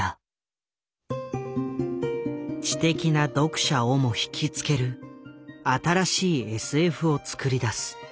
知的な読者をもひきつける新しいＳＦを作り出す。